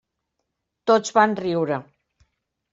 Tots van riure.